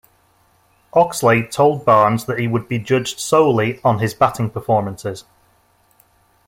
Oxlade told Barnes that he would be judged solely on his batting performances.